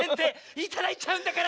いただいちゃうんだから！